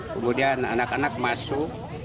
kemudian anak anak masuk